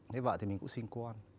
lấy vợ thì mình cũng xin con